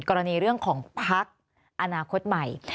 กรณีเรื่องของพักอนาคตใหม่